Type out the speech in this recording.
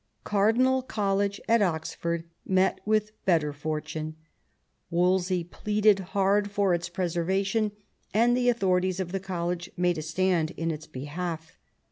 Cardinal College at Oxford met with better fortune. Wolsey pleaded hard f orbits preservation, and the authori ties of the college made a stand in its behalf.